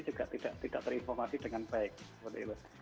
juga tidak terinformasi dengan baik